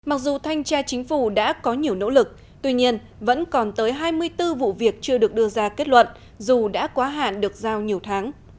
mặc dù thanh tra chính phủ đã có nhiều nỗ lực tuy nhiên vẫn còn tới hai mươi bốn vụ việc chưa được đưa ra kết luận dù đã quá hạn được giao nhiều tháng